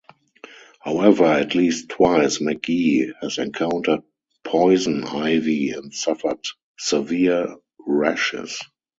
However, at least twice McGee has encountered poison ivy and suffered severe rashes.